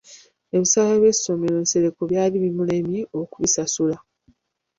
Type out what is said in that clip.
Ebisale by’essomero Nsereko byali bimulemye okusasula .